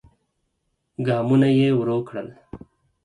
ګامونه يې ورو کړل.